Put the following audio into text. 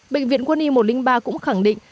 bệnh viện quân y một trăm linh ba cũng khẳng định